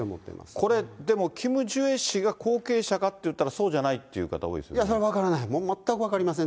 これでも、キム・ジュエ氏が後継者かといったらそうじゃないそれは分からない、もう全く分かりませんね。